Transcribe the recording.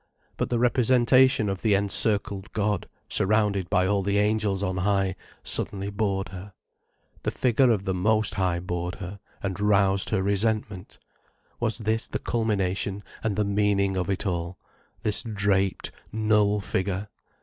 But the representation of the encircled God, surrounded by all the angels on high, suddenly bored her. The figure of the Most High bored her, and roused her resentment. Was this the culmination and the meaning of it all, this draped, null figure?